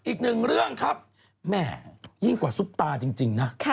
อีกหนึ่งเรื่องครับแม่ยิ่งกว่าซุปตาจริงนะ